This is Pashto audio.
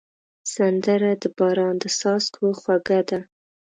سندره د باران د څاڅکو خوږه ده